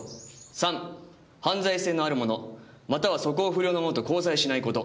「三犯罪性のある者または素行不良の者と交際しないこと」